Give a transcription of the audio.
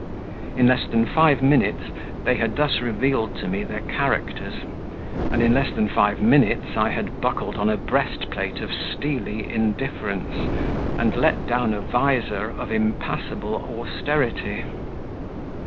In less than five minutes they had thus revealed to me their characters, and in less than five minutes I had buckled on a breast plate of steely indifference, and let down a visor of impassible austerity.